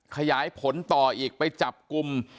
ขยายผลต่ออีกไปจับกลุ่ม